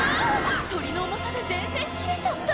鳥の重さで電線切れちゃった！